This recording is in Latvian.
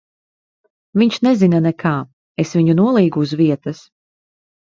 Viņš nezina nekā. Es viņu nolīgu uz vietas.